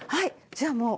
じゃあもう。